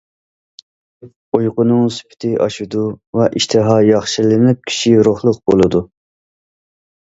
ئۇيقۇنىڭ سۈپىتى ئاشىدۇ ۋە ئىشتىھا ياخشىلىنىپ كىشى روھلۇق بولىدۇ.